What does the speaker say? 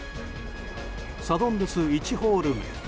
サドンデス１ホール目。